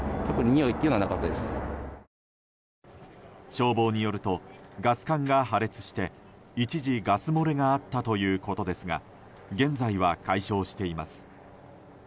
消防によるとガス管が破裂して一時ガス漏れがあったということですが現在は解消しています。